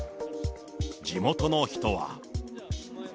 地元の人は。